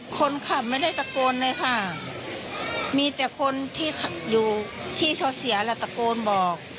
คนขับไม่ได้ตะโกนเลยค่ะมีแต่คนที่อยู่ที่เขาเสียแหละตะโกนบอก